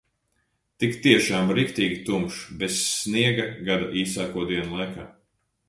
Tik tiešām, riktīgi tumšs, bez sniega gada īsāko dienu laikā.